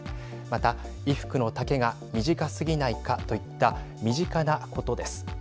また、衣服の丈が短すぎないかといった身近なことです。